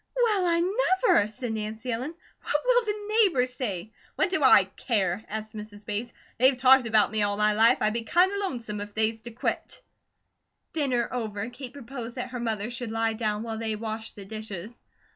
"Well, I never!" said Nancy Ellen. "What will the neighbours say?" "What do I care?" asked Mrs. Bates. "They've talked about me all my life, I'd be kinda lonesome if they's to quit." Dinner over, Kate proposed that her mother should lie down while they washed the dishes.